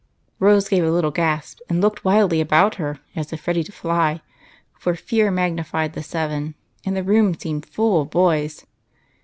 " Rose gave a little gasp and looked wildly about her as if ready to fly, for fear magnified the seven and the room seemed full of boys.